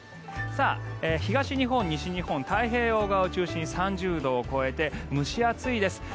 東日本、西日本太平洋側を中心に３０度を超えて蒸し暑いです。